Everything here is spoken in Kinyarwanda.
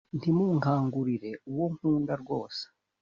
ntimunkangurire uwo nkunda rwose